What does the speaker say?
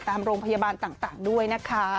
ตามโรงพยาบาลต่างด้วยนะคะ